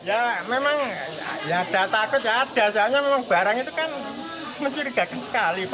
ya memang ya ada takut ada soalnya memang barang itu kan mencurigakan sekali